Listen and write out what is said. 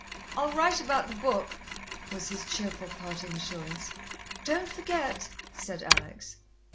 "I'll write about the book," was his cheerful parting assurance. "Don't forget," said Alex.